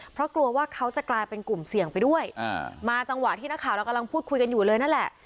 เพราะกลัวว่าเขาจะกลายเป็นกลุ่มเสี่ยงไปด้วยอ่ามาจังหวะที่นักข่าวเรากำลังพูดคุยกันอยู่เลยนั่นแหละ